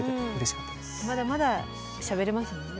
まだまだしゃべれますもんね。